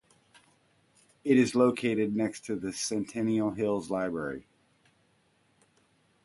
It is located next to the Centennial Hills Library.